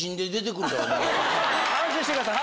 安心してください。